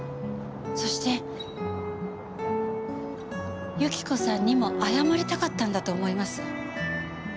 そして由紀子さんにも謝りたかったんだと思います。